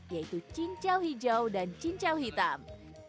yaitu cincau hijau dan cincau hitam